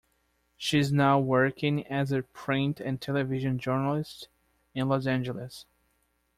She is now working as a print and television journalist in Los Angeles.